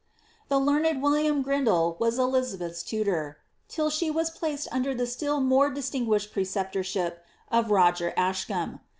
The learned William Grindal was Elizabeth's tutor, till she was placed under the still more distinguished preceptorship of Roger Aschani.